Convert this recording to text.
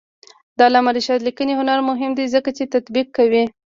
د علامه رشاد لیکنی هنر مهم دی ځکه چې تطبیق کوي.